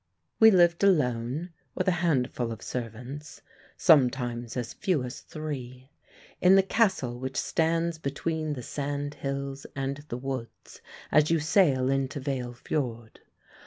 We lived alone, with a handful of servants sometimes as few as three in the castle which stands between the sandhills and the woods, as you sail into Veile Fiord.